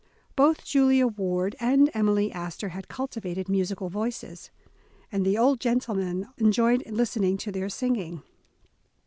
Both Julia Ward and Emily Astor had cultivated musical voices, and the old gentleman enjoyed listening to their singing.